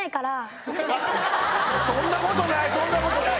そんなことないそんなことない！